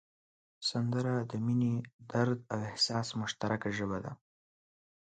سندره د مینې، درد او احساس مشترکه ژبه ده